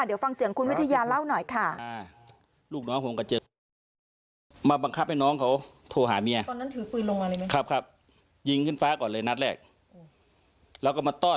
เดี๋ยวฟังเสียงคุณวิทยาเล่าหน่อยค่ะ